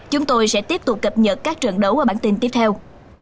chúng tôi sẽ tiếp tục cập nhật các trận đấu ở bản tin tiếp theo